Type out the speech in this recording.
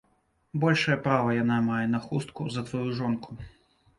Большае права яна мае на хустку за тваю жонку.